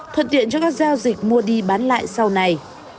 thuận tiện cho các giao dịch mua đi bán lại sau này